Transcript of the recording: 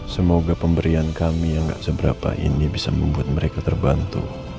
semoga pemberian kami yang gak seberapa ini bisa membuat mereka terbantu